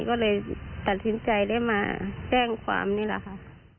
ก็เลยตัดสินใจได้มาแจ้งความนี่แหละค่ะ